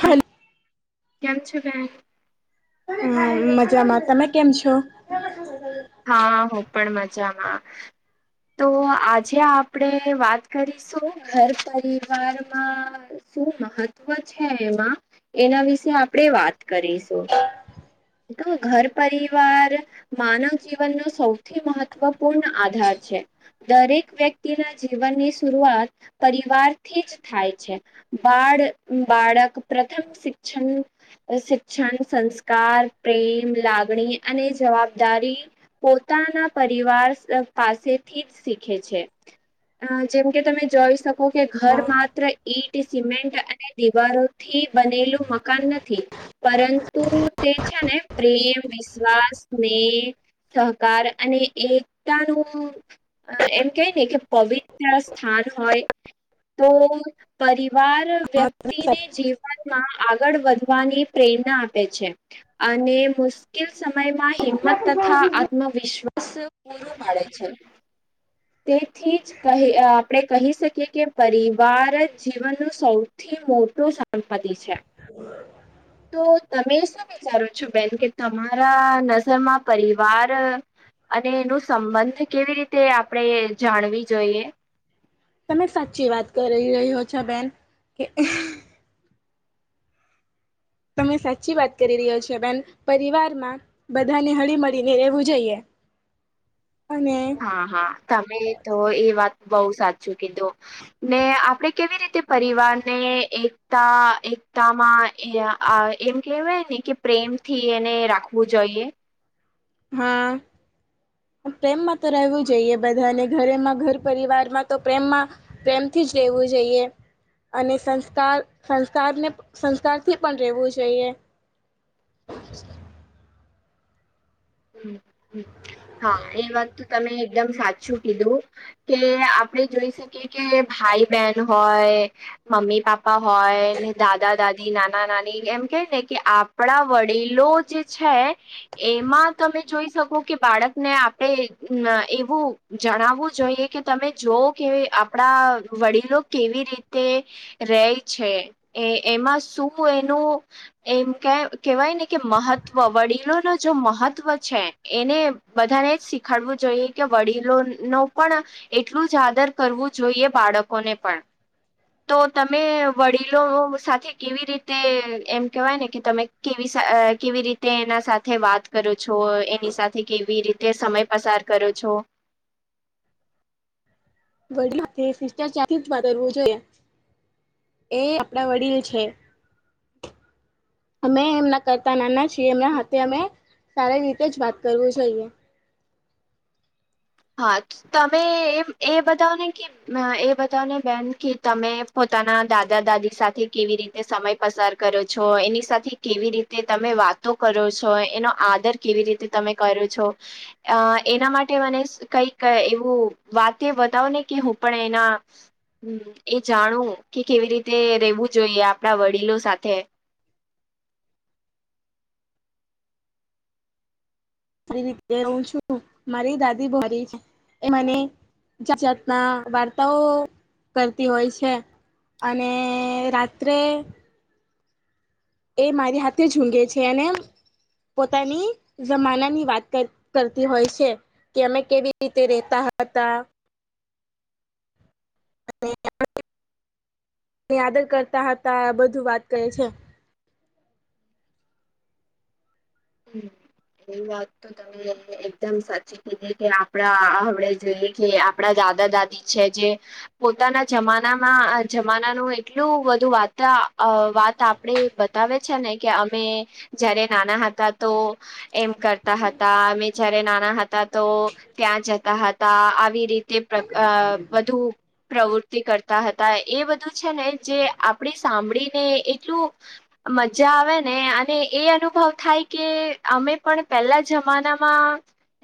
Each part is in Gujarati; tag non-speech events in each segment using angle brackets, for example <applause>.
હલો કેમ છો બહેન. હમ મજામાં તમે કેમ છો. હા હું પણ મજામાં. તો આજે આપડે વાત કરીશું ઘર પરિવારમાં શું મહત્વ છે એમાં એના વિશે આપણે વાત કરીશું. તો ઘર પરિવાર માનવ જીવનનો સૌથી મહત્વપૂર્ણ આધાર છે. દરેક વ્યક્તિના જીવનની શુરૂઆત પરિવારથી જ થાય છે. બાળ બાળક પ્રથમ શિક્ષન શિક્ષણ સંસ્કાર પ્રેમ લાગણી અને જવાબદારી પોતાના પરિવાર સ પાસેથી જ શીખે છે. અ જેમ કે તમે જોઈ શકો કે ઘર હા માત્ર ઈટ સિમેન્ટ અને દિવારો થી બનેલું મકાન નથી. પરંતુ તે છે ને પ્રેમ વિશ્વાસ સ્નેહ સહકાર અને એકતાનું અ એમ કે નને કે પવિત્ર સ્થાન હોય તો પરિવાર વ્યક્તિને જીવનમાં આગળ વધવાની પ્રેરણા આપે છે. અને મુશ્કેલ સમયમાં હિંમત તથા માં વિશ્વાસ પૂરો પાડે છે તેથીજ ક આપણેે કહી શકીએ કે પરિવાર જીવનનું સૌથી મોટું સંપતિ છે તો તમે શું? સારું છું બેન કે તમારા નજરમાં પરિવાર અને એનું સંબંધ કેવી રીતે આપણેે જાણવી જોઈએ? તમે સાચી વાત કરી રહ્યો છો બેન કે તમે સાચી વાત કરી રહ્યો છો બેન પરિવારમાં બધાને હળી મળીને રહેવું જઈએ. <unintelligible> હા હા તમે તો એ વાત બહુ સાચું કીધું ને આપડે કેવી રીતે પરિવાર ને એક એકતા એકતામાં આ એમ કેહેવાય ને કે પ્રેમ થી એને રાખવું જોઈએ. હા. પ્રેમમાં તો રહેવું જોઈએ બધાને ઘરેમાં ઘર પરિવારમાં તો પ્રેમમાં પ્રેમથી જ રહેેવું જોઈએ. અને સંસ્કાર સંસ્કારને સંસ્કારથી પણ રહેવું જોઈએ. હ. <unintelligible> હ હા એ વાત તો તમે એકદમ સાચું કીધું કે આપડે જોઈ શકીએ કે ભાઈ બહેન હોય મમ્મી પાપા હોય ને દાદા દાદી નાના નાની એમ કે ને કે આપણા વડીલો જે છે એમાં તમે જોઈ શકો કે બાળકને આપણે ન એવું જણાવવું જોઈએ કે તમે જોઓ કે આપડા વડીલો કેવી રીતે. રે છે એ એમાં શું એનું એમ કે કેહેવાય ને કે મહત્વ વડીલો ન જો મહત્વ મહત્વ છે એને બધાને એજ શીખાડવું જોઈએ કે વડીલો નો પણ એટલું જ આદર કરવું જોઈએ બાળકોને પણ તો તમે વડીલો સાથે કેવી રીતે એમ કેહેવાય ને કે તમે કેવી અ કેવી રીતે એના સાથે વાત કરો છો એની સાથે કેવી રીતે સમય પસાર કરો છો. બ સિસ્ટર ચવો જોઈ. એ આપણા વડીલ છે. અમે એમના કરતા નાના છીએ એમના હાથે અમે સારી રીતે જ વાત કરવું જોઈએ. હા તમે એમ એ બતાવને કે એ બતાવને બેન કે તમે પોતાના દાદા દાદી સાથે કેવી રીતે સમય પસાર કરો છો એની સાથે કેવી રીતે તમે વાતો કરો છો એનો આદર કેવી રીતે તમે કરો છો અ એના માટે મને કઈક એવું વાતે બતાવ ને કે હું પણ એના હમ એ જાણું કે કેવી રીતે રેવું જોઈએ આપડા વડીલો સાથે સારી રીતે હું છું મારી દાદી બોરી છે એ મને જાત જાતના વાર્તાઓ કરતી હોય છે. અને રાત્રે એ મારી હાથે ઝુંઘે છે અને પોતાની જમાનાની વાત કર કરતી હોય છે. કે અમે કેવી રીતે રેતા હતા આદર કરતા હતા બધું વાત કરે છે. હમ્મ એવી વાત તો તમે એ એકદમ સાચી કીધી કે આપણા આપડે જોઈએ કે આપણા દાદા દાદી છે જે પોતાના જમાનામાં જમાનાનું એટલું બધું વાત‌ અ વાત આપ આપડે બતાવે છે ને કે અમે જયારે નાના હતા તો એમ કરતા હતા અમે જયારે નાના હતા તો ત્યાં જતા હતા આવી રીતે પ્રકા અ વધુ પ્રવૃતિ કરતા હતા એ બધું છે ને જે આપણે સાંભળીને એટલું મજા આવે ને અને એ અનુભવ થાય કે અમે પણ પહેલા જમાનામાં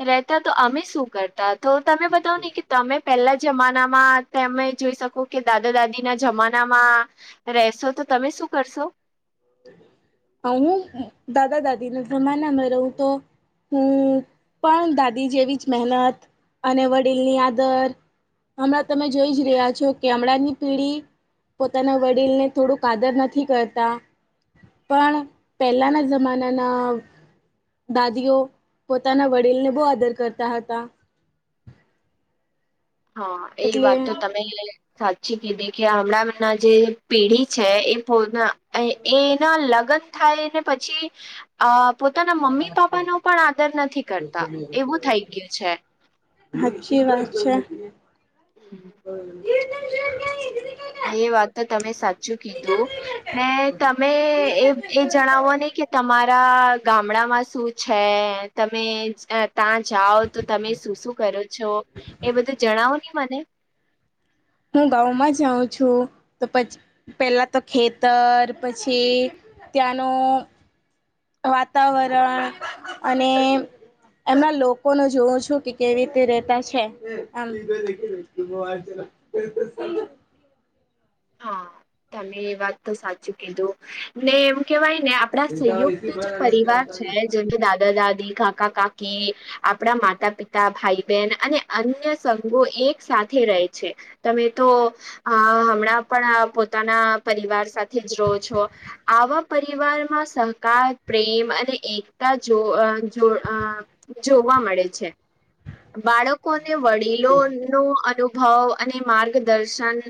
રહેતા તો અમે શું કરતા તો તમે બતાવ નને કે તમે પેલા જ જમાનામાં તમે જોઈ શકો કે દાદા દાદી ના જમાનામાં રહેશો તો તમે શું કરશો હ હું દાદા દાદીને જમાના માં રહું તો હું પણ દાદી જેવી જ મહેનત અને વડીલની આદર હમણાં તમે જોઈ જ રહ્યા છો કે હમણાં ની પેઢી પોતાના વડીલ ને થોડુંક આદર નથી કરતા પણ પહેલાંના જમાનાના દાદીઓ પોતાના વડીલને બહુ આદર કરતા હતા હા એ એટલે વાત તો તમે સાચી કીધી કે હમણાં ના જે પેઢી છે એ પો એના લગ્ન થાય ને પછી અ પોતાના મમ્મી પાપાનો પણ આદર નથી કરતા એવું થઈ ગયું છે સાચી વાત છે <inaudible> <inaudible> એ વાત તો તમે સાચું કીધું ને તમે એ એ જણાવો નહી કે તમારા ગામડામાં શું છે તમે ત્યાં જાઓ તો તમે શું શું કરો છો એ બધું જણાવો ને મને હું ગાઉમાં જાઉં છું તો પછી પેલા તો ખેતર પછી ત્યાંનું વાતાવરણ અને એમના લોકોને જોવુ છું કે કેવી રીતે રેતા છે એ બે ત્રણ હા તમે એ વાત તો સાચી કીધું ને એવું કેવાય ને આ આપણા સંયુક્ત જે પરિવાર છે જેમકે દાદા દાદી કાકા કાકી આપણા માતા પિતા ભાઈ બહેન અને અન્ય સંઘો એક સાથે રહે છે તમે તો અ હમણાં પણ પોતાના પરિવાર સાથે જ રહો છો આવા પરિવારમાં સહકાર પ્રેમ અને એકતા જો જો જોવા મળે છે બાળક લોકોને વડીલો નો અનુભવ અને માર્ગદર્શન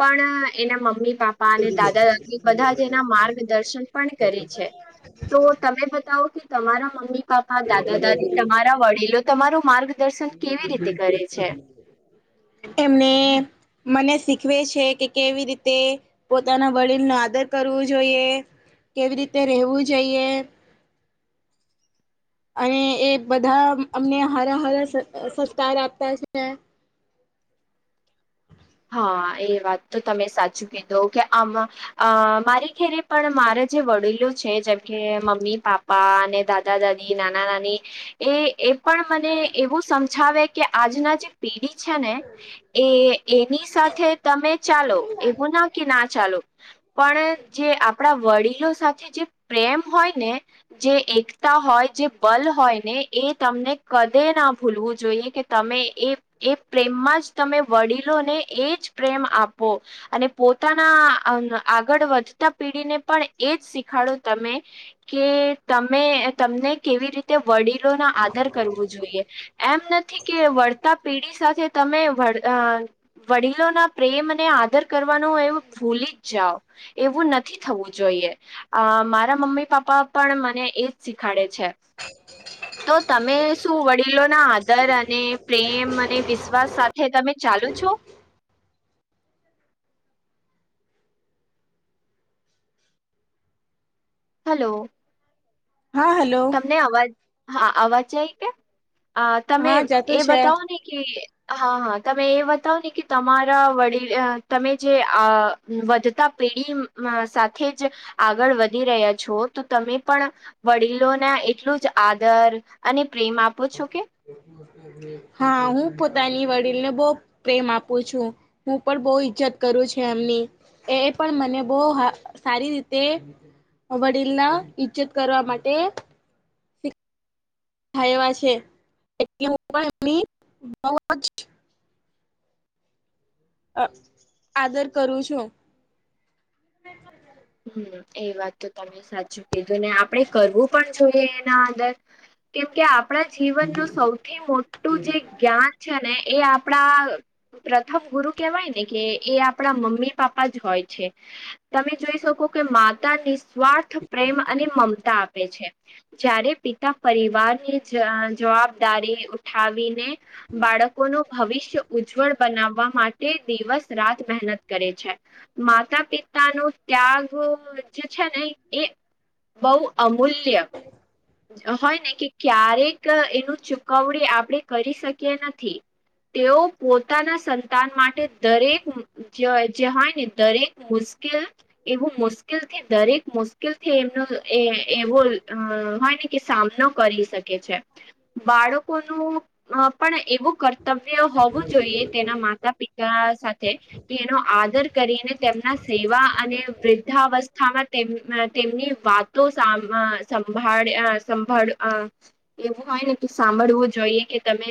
પણ એના મમ્મી બાપા અને દાદા દાદી બધા જ એના માર્ગદર્શન પણ કરી છે તો તમે બતાવો કે તમારા મમ્મી પાપા દાદા દાદી તમારા વડીલો તમારો માર્ગ દર્શન કેવી રીતે કરે છે એમને મને શીખવે છે કે કેવી રીતે પોતાના વડીલ નુ આદર કરવું જોઈએ કેવી રીતે રહેવું જોઈએ અને એ બધા અમને હરા હરા સત્કાર આપતા છે હા એ વાત તો તમે સાચું કીધું કે આમાં અ મારી ઘેરે પણ મારા જે વડીલો છે જેમ કે મમ્મી પાપા પપ્પા અને દાદા દાદી નાના નાની એ એ પણ મને એવું સમજાવે કે આજના જે પેઢી છે ને એ એની સાથે તમે ચાલો એવું ના કે ના ચાલો પણ જે આપણા વડીલો સાથે જે પ્રેમ હોય ને જે એકતા હોય જે બલ હોય ને એ તમને કદે ના ભૂલવું જોઈએ કે તમે એ એ પ્રેમમાં જ તમે વળી ને એજ પ્રેમ આપો અને પોતાના આગળ વધતા પીઢીને પણ એજ શીખાડું તમે કે તમે તમને કેવી રીતે વડીલો ના આદર કરવો જોઈએ. એમ નથી કે વળતા પેઢી સાથે તમે વ વડીલોના પ્રેમને આદર કરવાનું એ ભૂલી જ જાઓ. એવું નથી થવું જોઈએ. અ મારા મમ્મી પાપ્પા પણ મને એજ શીખાડે છે. <unintelligible> <inaudible> તો તમે શું વડીલો ના આદર અને પ્રેમ અને વિશ્વાસ સાથે તમે ચાલો છો? હલો. હા હલો. ને અવાજ હા અવાજ જાય કે તમે હા જતું એ છે બતાવો ને કે હા હા તમે એ બતાવો ને કે તમારા વડીલ તમે જે આ વધતા પેઢી સાથે જ આગળ વધી રહ્યા છો તો તમે પણ વડીલોને એટલું જ આદર અને પ્રેમ આપો છો કે <unintelligible> હા હું પોતાની વડીલ ને બહ પ્રેમ આપું છું. હું પણ બહુ ઈજ્જત કરું છ એમની. એ પણ મને બહ સારી રીતે વડીલના ઈજ્જત કરવા માટે થ એવા છે એટલે હું પણ એમની બવજ અ આદર કરું છું. હમ એ વાત તો તમે સાચી કીધું ને આપણે કરવું પણ જોઈએ એના અંદર. કેમકે આપણા જીવનનું સૌથી મોટું જે જ્ઞાન છે ને એ આપણા પ્રથમ ગુરુ કેવાય ને કે એ આપણા મમ્મી પાપ્પા જ હોય છે. તમે જોઈ શકો કે માતા નિ સ્વાર્થ પ્રેમ અને મમતા આપે છે. જ્યારે પિતા પરિવારની જવાબદારી ઉઠાવીને બાળકો ન ભવિષ્ય ઉજ્જવળ બનાવવા માટે તે દિવસ રાત મહેનત કરે છે. માતા પિતા ન ત્યાગ જે છે ને એ બહુ અમૂલ્ય હોય ને કે ક્યારેક એનું ચુકવણી આપણે કરી શકીએ નથી. તેઓ પોતાના સંતાન માટે દરેક જે હોય ને દરેક મુ એવું મુશ્કેલ થી દરેક મુશ્કેલ થી એમનો એવો હોય કે સામનો કરી શકે છે. બાળકોનું પણ એવું કર્તવ્ય હોવું જોઈએ તેના માતા પિતા સાથે કે એનો આદર કરીને તેમના સેવા અને વૃદ્ધાવસ્થામાં તેમ તેમની વાત તો સા સંભાળ સંભાળ એવું હોય ને સાંભળવું જોઈએ કે તમે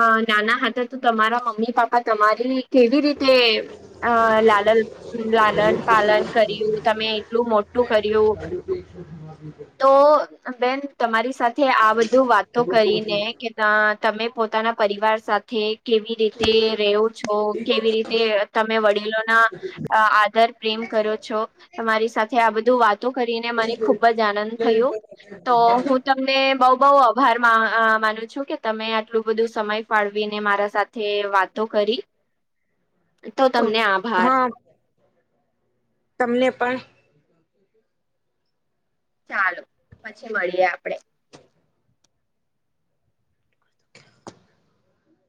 અ નાના હતા તો તમારા મમ્મી પપ્પા તમારી કેવી રીતે અ લાલન લાલન પાલન કર્યું તમે એટલું મોટું કર્યું <inaudible> તો બેન તમારી સાથે આ બધું વાતો કરીને તમે પોતાના પરિવાર સાથે કેવી રીતે રવો છો કેવી રીતે તમે વડીલોના અ આદર પ્રેમ કરો છો. તમારી સાથે આ બધું વાતો કરીને મને ખુબ જ આનંદ થું તો હું તમ તને બહ બહ આભાર માનું છું કે તમે આટલું બધું સમય ફાળવીને મારા સાથે તે વાતો કરી. <inaudible> તો તમને આભાર. હા તમને પણ ચાલો પછી મળીએ આપડે.